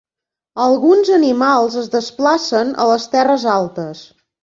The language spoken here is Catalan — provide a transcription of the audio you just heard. Alguns animals es desplacen a les terres altes.